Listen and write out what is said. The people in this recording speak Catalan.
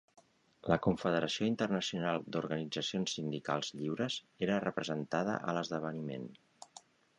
La Confederació Internacional d'Organitzacions Sindicals Lliures era representada a l'esdeveniment.